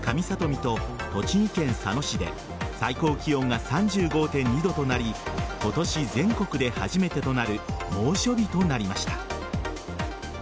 見と栃木県佐野市で最高気温が３５．２度となり今年全国で初めてとなる猛暑日となりました。